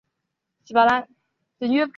雉尾指柱兰为兰科指柱兰属下的一个种。